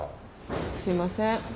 すいません。